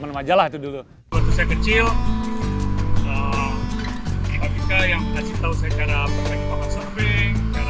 waktu saya kecil pak mika yang kasih tau saya cara memperbaiki surfing